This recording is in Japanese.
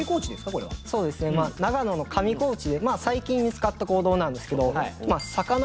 これはそうですね長野の上高地でまあ最近見つかった行動なんですけど魚？